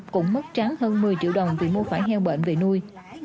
cũng mất trắng hơn một mươi triệu đồng vì mua phải heo bệnh về nuôi